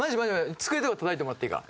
机とかたたいてもらっていいか？